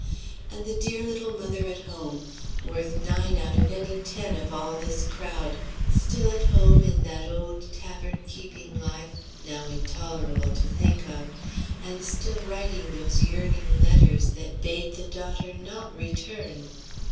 And the dear little mother at home! worth nine out of any ten of all this crowd still at home in that old tavern keeping life, now intolerable to think of, and still writing those yearning letters that bade the daughter not return!